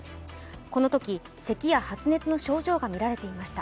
このとき、せきや発熱の症状がみられていました。